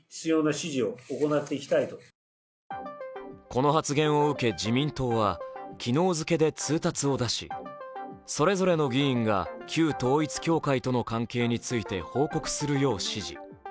この発言を受け自民党は、昨日付で通達を出しそれぞれの議員が旧統一教会との関係について報告するよう指示。